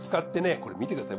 これ見てください